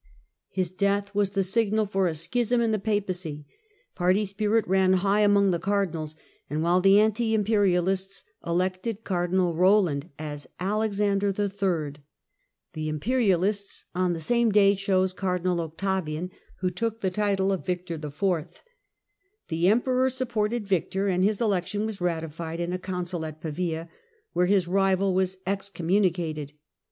His death was the signal for a schism in the Papacy : Japai .,.,. 1 1 Schism Party spirit ran high among the cardmals, and while the anti imperialists elected Cardinal Eoland as Alex ander III., the imperialists on the same day chose Cardi nal Octavian, who took the title of Victor IV. The Emperor supported Victor, and his election was ratified in a Council at Pavia, where his rival was excommuni cated.